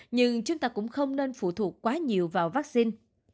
nhưng chúng ta cũng không nên phụ thuộc quá nhiều vào vaccine